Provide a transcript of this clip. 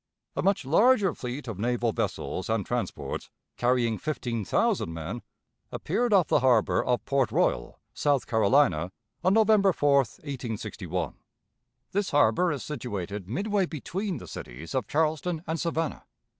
A much larger fleet of naval vessels and transports, carrying fifteen thousand men, appeared off the harbor of Port Royal, South Carolina, on November 4, 1861. This harbor is situated midway between the cities of Charleston and Savannah.